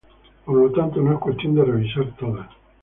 Por lo tanto, no es cuestión de revisar todas.